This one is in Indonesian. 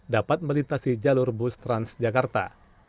dapat melintasi jalur bus trans jakarta